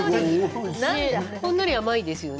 ほんのり甘いですよね。